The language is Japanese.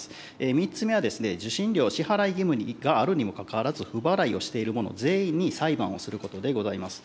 ３つ目は、受信料支払い義務があるにもかかわらず、不払いをしている者全員に裁判をすることでございます。